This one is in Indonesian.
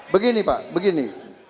begini pak begini